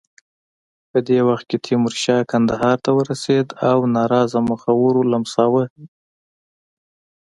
په دې وخت کې تیمورشاه کندهار ته ورسېد او ناراضه مخورو لمساوه.